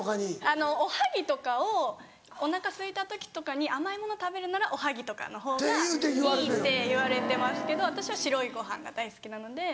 あのおはぎとかをお腹すいた時とかに甘いもの食べるならおはぎとかの方がいいっていわれてますけど私は白いご飯が大好きなので。